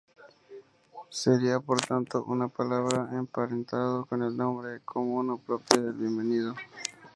Sería, por tanto, una palabra emparentado con el nombre, común o propia, de "bienvenido".